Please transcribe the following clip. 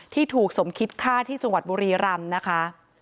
ที่ถูกสมคิดฆ่าที่จังหวัดบุรีรำนะคะ